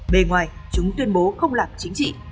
bề ngoài chúng tuyên bố không làm chính trị